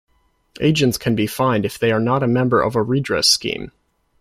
Agents can be fined if they are not a member of a redress scheme.